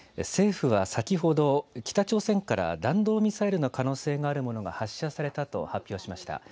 政府は先ほど、北朝鮮から弾道ミサイルの可能性があるものが発射されたと発表しました。